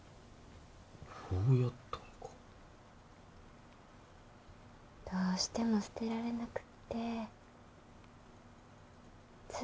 ほうやったんかどうしても捨てられなくってずっとつけていて